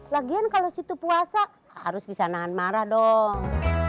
lagian kalau situ puasa harus bisa nahan marah dong